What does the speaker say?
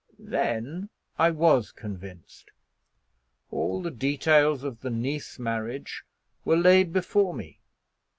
Then I was convinced. All the details of the Nice marriage were laid before me.